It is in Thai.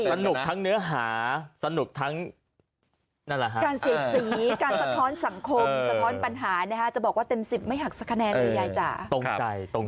ครดพูดต่อฟักเนื้อฟักตัวเป็นแซนคลับคุณยายด้วยนะครับ